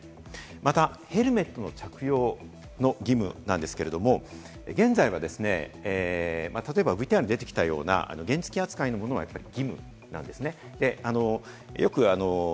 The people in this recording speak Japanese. またヘルメットの着用の義務なんですけれども、現在は、例えばＶＴＲに出てきたような原付扱いのものは義務なんです。